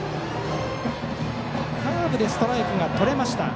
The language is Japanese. カーブでストライクがとれました。